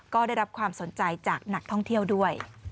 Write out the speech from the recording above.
ก็ได้รับความสนใจจากนักท่องเที่ยวด้วย